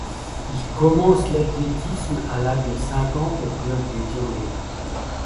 Il commence l'athlétisme à l'âge de cinq ans au club d'Évian-les-Bains.